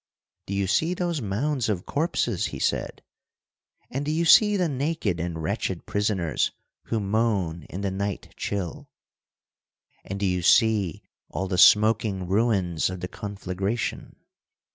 'Do you see those mounds of corpses?' he said. 'And do you see the naked and wretched prisoners who moan in the night chill? And do you see all the smoking ruins of the conflagration?